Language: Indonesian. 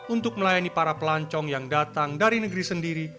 untuk melayani para pelancong yang datang dari negeri sendiri